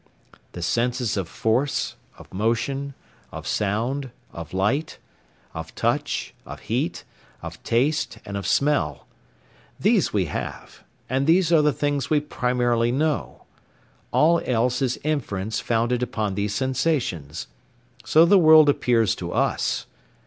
The senses of force, of motion, of sound, of light, of touch, of heat, of taste, and of smell these we have, and these are the things we primarily know. All else is inference founded upon these sensations. So the world appears to us.